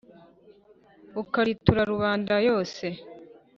Ukaritura Rubanda yose